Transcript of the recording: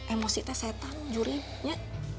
emosi teh setan jurinya